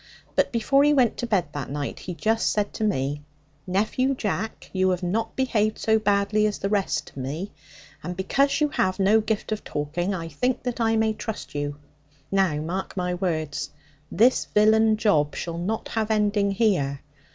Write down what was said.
But before he went to bed that night, he just said to me, 'Nephew Jack, you have not behaved so badly as the rest to me. And because you have no gift of talking, I think that I may trust you. Now, mark my words, this villain job shall not have ending here.